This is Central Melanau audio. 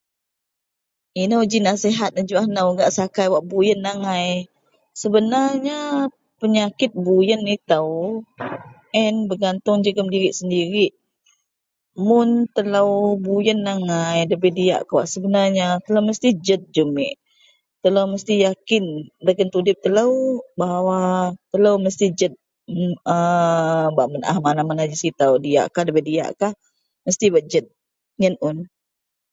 Ino ji nasihat nejuwah nou gak sakai wak buyen angai. Sebenarnya penyakit buyen ito en bergantung gak dirik sendirik mun telo buyen angai dabei diyak kawak sebenarnya telo mesti jed jumit telo mesti yakin dagen tudip bahawa telo mesti jed aaa bak manaah mana-mana ji serita wak diyak kah debei diyak kah telo mesti bak jed iyen un.